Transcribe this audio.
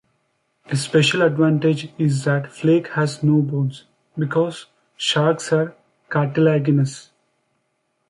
A special advantage is that flake has no bones, because sharks are cartilaginous.